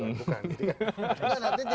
bukan jadi kan